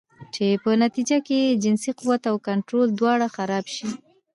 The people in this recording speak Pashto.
چې پۀ نتيجه کښې ئې جنسي قوت او کنټرول دواړه خراب شي